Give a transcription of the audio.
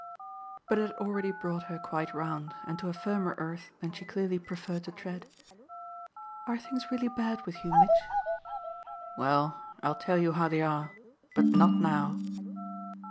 But it had already brought her quite round, and to a firmer earth that she clearly preferred to tread. "Are things really bad with you, Mitch?" "Well, I'll tell you how they are. But not now."